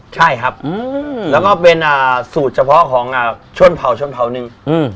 ใช่ค่ะแล้วก็เป็นสูตรเฉพาะของช่วงเผานึง